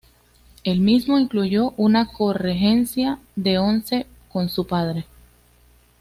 El mismo incluyó una corregencia de once con su padre.